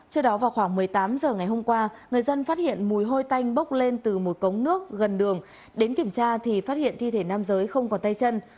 trước đó vào khoảng một mươi tám h ngày hôm qua người dân phát hiện mùi hôi tanh bốc lên từ một cống nước gần đường đến kiểm tra thì phát hiện thi thể nam giới không còn tay chân